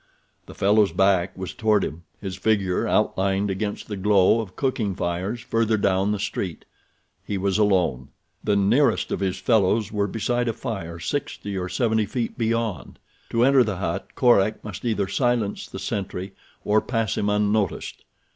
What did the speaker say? The fellow's back was toward him, his figure outlined against the glow of cooking fires further down the street. He was alone. The nearest of his fellows were beside a fire sixty or seventy feet beyond. To enter the hut Korak must either silence the sentry or pass him unnoticed.